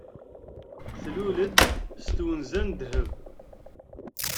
Tlul-d s twenza n ddheb.